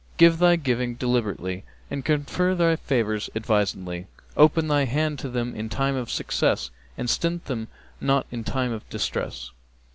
Give thy giving deliberately and confer thy favours advisedly; open thy hand to them in time of success and stint them not in time of distress.'